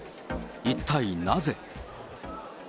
一体なぜ？